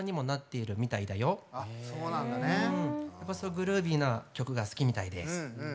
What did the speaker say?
グルービーな曲が好きみたいで。